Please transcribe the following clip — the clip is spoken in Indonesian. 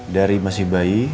dari masih bayi